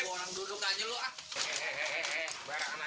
kau tidak bisa